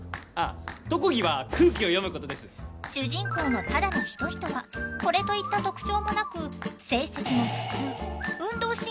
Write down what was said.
主人公の只野仁人はこれといった特徴もなく成績も普通運動神経も普通。